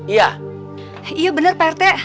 iya bener pak rt